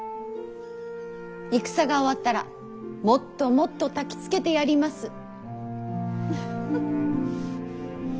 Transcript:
戦が終わったらもっともっとたきつけてやります。